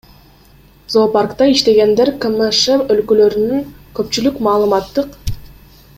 Зоопаркта иштегендер, КМШ өлкөлөрүнүн көпчүлүк маалыматтык